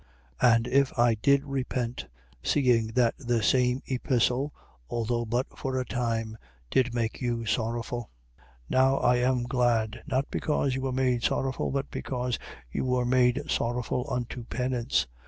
And if I did repent, seeing that the same epistle (although but for a time) did make you sorrowful, 7:9. Now I am glad: not because you were made sorrowful, but because you were made sorrowful unto penance.